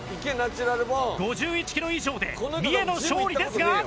５１キロ以上で三重の勝利ですが。